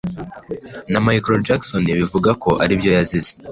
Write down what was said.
na Michael Jackson bivugwako aribyo yazize